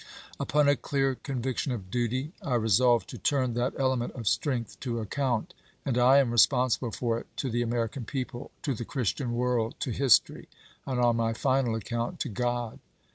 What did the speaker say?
Upon a clear conviction of duty I resolved to turn that element of strength to account ; and I am responsible for it to the American people, to the Christian world, to history, and on my final account to God.